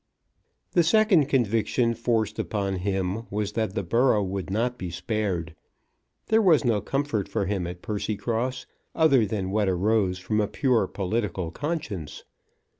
The second conviction forced upon him was that the borough would not be spared. There was no comfort for him at Percycross, other than what arose from a pure political conscience.